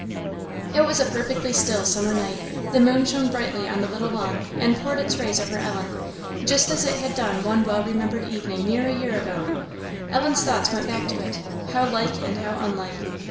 It was a perfectly still summer night. The moon shone brightly on the little lawn, and poured its rays over Ellen, just as it had done one well remembered evening near a year ago. Ellen's thoughts went back to it. How like and how unlike!